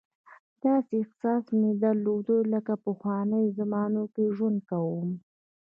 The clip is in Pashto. داسې احساس مې درلود لکه په پخوانیو زمانو کې ژوند کوم.